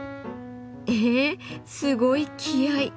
えすごい気合い。